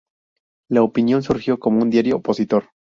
La Opinión surgió como un diario opositor.